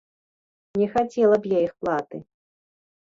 Не хацела б я іх платы.